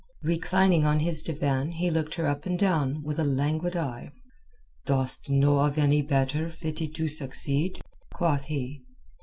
Reclining on his divan he looked her up and down with a languid eye. "Dost know of any better fitted to succeed?" quoth he.